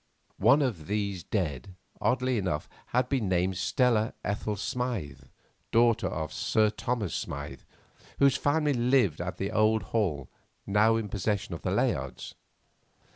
One of these dead, oddly enough, had been named Stella Ethel Smythe, daughter of Sir Thomas Smythe, whose family lived at the old hall now in the possession of the Layards.